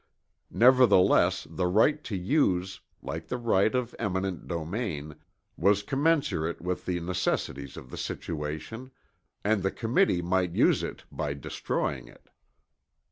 Nevertheless the right to use, like the right of eminent domain, was commensurate with the necessities of the situation, and the committee might use it by destroying it.